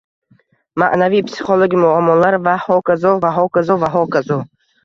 ma’naviy-psixologik muammolar va hokazo va hokazo va hokazo...